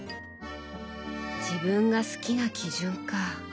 「自分が好きな基準」か。